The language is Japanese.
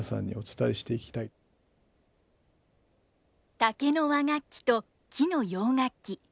竹の和楽器と木の洋楽器。